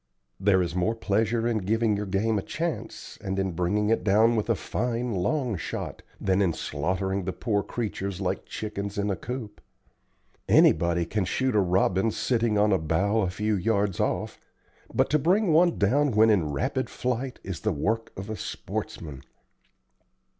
There is more pleasure in giving your game a chance, and in bringing it down with a fine long shot, than in slaughtering the poor creatures like chickens in a coop. Anybody can shoot a robin, sitting on a bough a few yards off, but to bring one down when in rapid flight is the work of a sportsman.